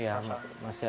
iya masih ada